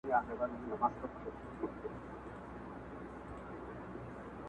سرکار وايی لا اوسی خامخا په کرنتین کي.!